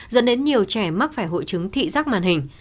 dẫn đến nhiều trẻ mắc phải hội chứng thị giác màn hình